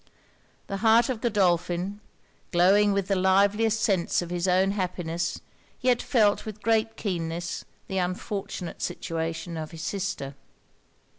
The heart of Godolphin, glowing with the liveliest sense of his own happiness, yet felt with great keenness the unfortunate situation of his sister.